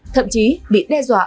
thậm chí bị đe dọa